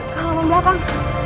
ke halaman belakang